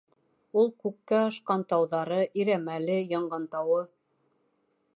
Ул күккә ашҡан тауҙары, Ирәмәле, Янғантауы.